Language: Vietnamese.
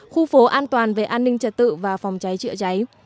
khu phố an toàn về an ninh trật tự và phòng cháy chữa cháy